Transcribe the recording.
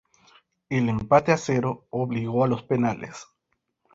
El empate en cero obligó a los penales.